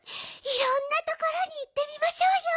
いろんなところにいってみましょうよ。